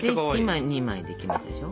今２枚できましたでしょ。